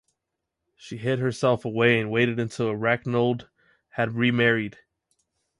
She hid herself away and waited until Erchinoald had remarried.